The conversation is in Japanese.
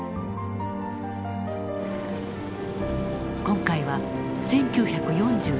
今回は１９４２年。